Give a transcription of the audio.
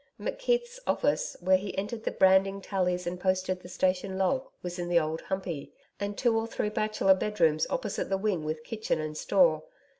McKeith's office, where he entered branding tallies and posted the station log, was in the Old Humpey, and two or three bachelor bedrooms opposite the wing with kitchen and store.